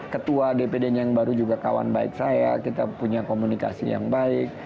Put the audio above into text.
ketua dpd nya yang baru juga kawan baik saya kita punya komunikasi yang baik